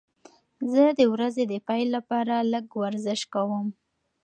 زه د ورځې د پیل لپاره لږه ورزش کوم.